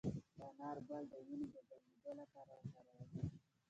د انار ګل د وینې د بندیدو لپاره وکاروئ